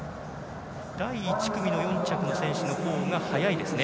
第１組の４着の選手のほうが速いですね。